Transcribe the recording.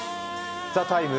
「ＴＨＥＴＩＭＥ，」